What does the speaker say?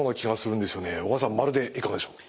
小川さん○でいかがでしょう。